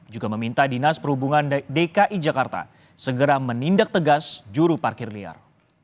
juga meminta dinas perhubungan dki jakarta segera menindak tegas juru parkir liar